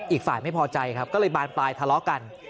อีกฝ่ายไม่พอใจครับก็เลยบานปลายทะเลาะกัน